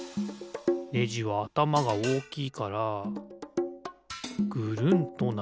ねじはあたまがおおきいからぐるんとなる。